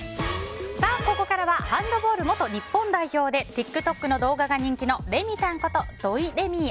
ここからはハンドボール元日本代表でＴｉｋＴｏｋの動画が人気のレミたんこと土井レミイ